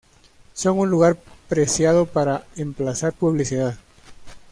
Son un lugar preciado para emplazar publicidad.